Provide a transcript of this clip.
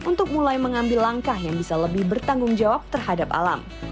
untuk mulai mengambil langkah yang bisa lebih bertanggung jawab terhadap alam